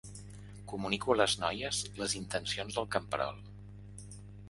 Comunico a les noies les intencions del camperol.